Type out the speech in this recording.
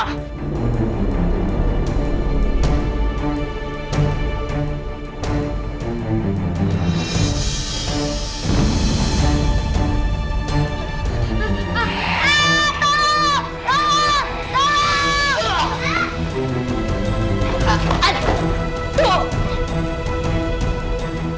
aaaa tuh tuh tuh